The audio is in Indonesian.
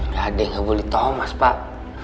gak ada yang gak bully thomas pak